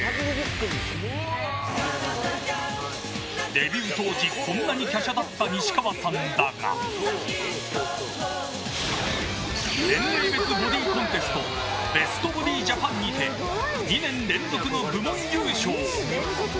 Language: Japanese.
デビュー当時こんなに華奢だった西川さんだが年齢別ボディコンテストベストボディ・ジャパンにて２年連続の部門優勝。